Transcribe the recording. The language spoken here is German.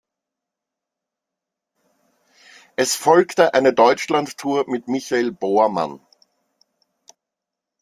Es folgte eine Deutschland-Tour mit Michael Bormann.